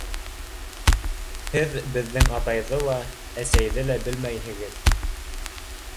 — Һеҙ беҙҙең атайҙы ла, әсәйҙе лә белмәйһегеҙ.